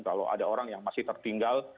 kalau ada orang yang masih tertinggal